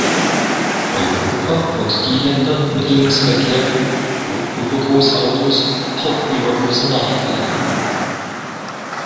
Europa und die Länder mit Linksverkehr, wo übergroße Autos auch übergroße Nachteile haben.